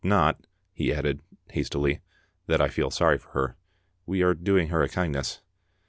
Not," he added, has tily, " that I feel sorry for her. We are doing her a kindness."